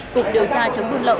cục điều tra chấm quân lậu